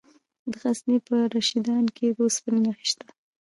د غزني په رشیدان کې د اوسپنې نښې شته.